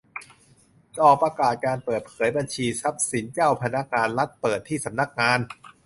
ออกประกาศการเปิดเผยบัญชีทรัพย์สินเจ้าพนักงานรัฐเปิดที่สำนักงาน